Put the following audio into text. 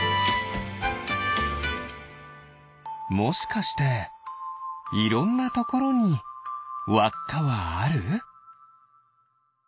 もしかしていろんなところにわっかはある？